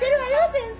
先生。